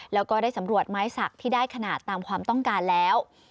แล้วก็ได้สำรวจไม้สักที่ได้ขนาดตามความต้องการแล้ว